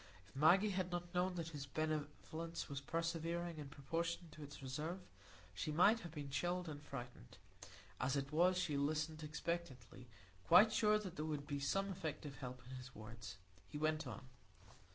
If Maggie had not known that his benevolence was persevering in proportion to its reserve, she might have been chilled and frightened. As it was, she listened expectantly, quite sure that there would be some effective help in his words. He went on.